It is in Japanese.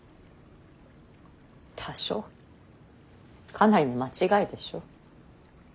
かなりの間違いでしょう。